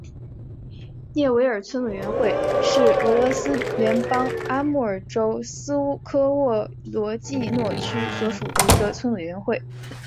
涅韦尔村委员会是俄罗斯联邦阿穆尔州斯科沃罗季诺区所属的一个村委员会。